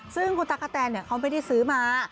ซึ่งคุณตั๊กกะแตนเขาไม่ได้ซื้อมา